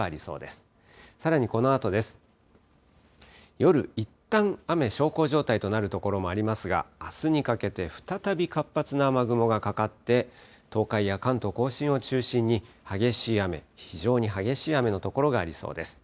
夜、いったん雨、小康状態となる所もありますが、あすにかけて再び活発な雨雲がかかって、東海や関東甲信を中心に、激しい雨、非常に激しい雨の所がありそうです。